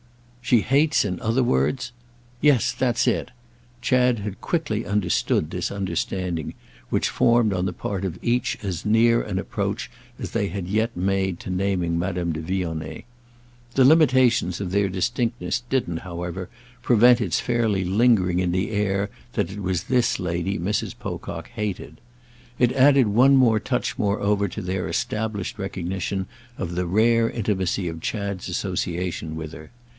"She hates in other words—" "Yes, that's it!"—Chad had quickly understood this understanding; which formed on the part of each as near an approach as they had yet made to naming Madame de Vionnet. The limitations of their distinctness didn't, however, prevent its fairly lingering in the air that it was this lady Mrs. Pocock hated. It added one more touch moreover to their established recognition of the rare intimacy of Chad's association with her.